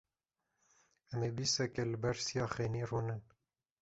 Em ê bîstekê li ber siya xênî rûnin.